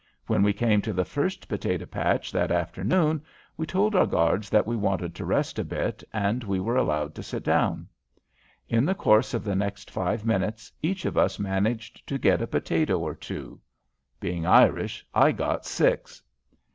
When we came to the first potato patch that afternoon we told our guards that we wanted to rest a bit and we were allowed to sit down. In the course of the next five minutes each of us managed to get a potato or two. Being Irish, I got six.